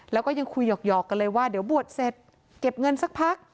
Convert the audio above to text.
แล้วก็ยังคุยหยอกกันเลยว่าเดี๋ยวบวชเสร็จเก็บเงินสักพัก